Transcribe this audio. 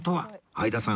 相田さん